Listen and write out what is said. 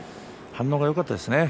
反応がよかったです。